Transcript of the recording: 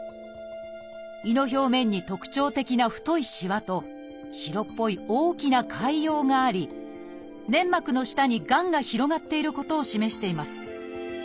胃の表面に特徴的な太いしわと白っぽい大きな潰瘍があり粘膜の下にがんが広がっていることを示しています。